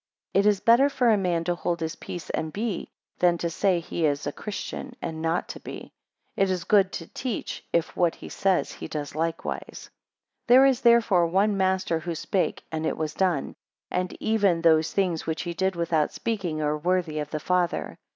18 It is better for a man to hold his peace, and be; than to say, he is a Christian, and not to be. 19 It is good to teach; if what he says he does likewise. 20 There is therefore one master who spake, and it was done; and even those things which he did without speaking, are worthy of the Father.